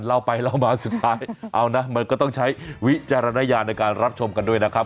เล่าไปเล่ามาสุดท้ายเอานะมันก็ต้องใช้วิจารณญาณในการรับชมกันด้วยนะครับ